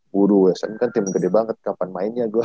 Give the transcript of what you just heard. guru ya sm kan tim gede banget kapan mainnya gua